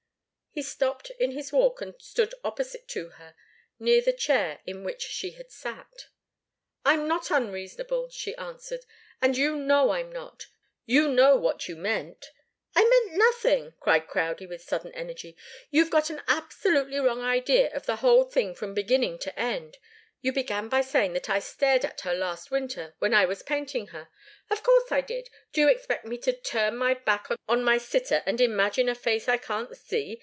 He stopped in his walk and stood opposite to her, near the chair in which she had sat. "I'm not unreasonable," she answered. "And you know I'm not. You know what you meant " "I meant nothing!" cried Crowdie, with sudden energy. "You've got an absolutely wrong idea of the whole thing from beginning to end. You began by saying that I stared at her last winter, when I was painting her. Of course I did. Do you expect me to turn my back on my sitter, and imagine a face I can't see?